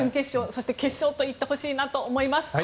そして決勝と行ってほしいなと思います。